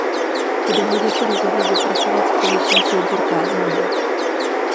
Po dohodě se rozhodli vypracovat společný soubor kázání.